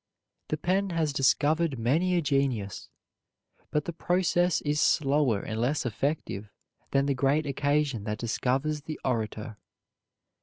The pen has discovered many a genius, but the process is slower and less effective than the great occasion that discovers the orator.